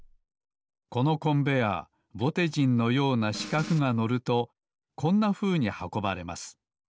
このコンベアーぼてじんのようなしかくが乗るとこんなふうにはこばれます。